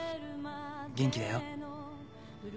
元気だよ。